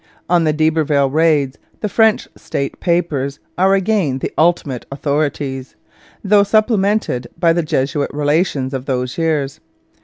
On the d'Iberville raids, the French State Papers are again the ultimate authorities, though supplemented by the Jesuit Relations of those years.